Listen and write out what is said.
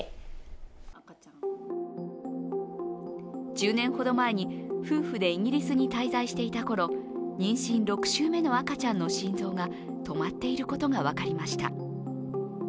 １０年ほど前に夫婦でイギリスに滞在していたころ、妊娠６週目の赤ちゃんの心臓が止まっていることが分かりました。